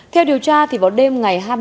theo điều tra vào đêm ngày